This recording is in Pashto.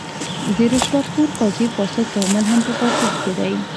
د رشوت خور قاضي فاسد تعامل هم په خوځښت کې دی.